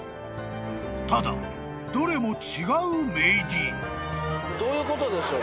［ただどれも違う名義］どういうことでしょう。